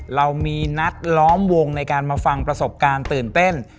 เรามีนัดล้อมวงในการมาฟังประสบการณ์ตื่นเต้น